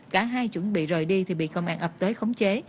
cả hai chuẩn bị rời đi thì bị công an ập tới khống chế